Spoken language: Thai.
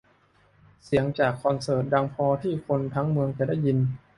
เสียงจากคอนเสิร์ตดังพอที่คนทั้งเมืองจะได้ยิน